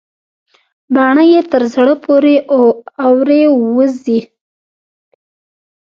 باڼه يې تر زړه پورې اورې وزي.